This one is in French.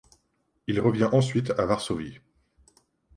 Il revient ensuite à Varsovie.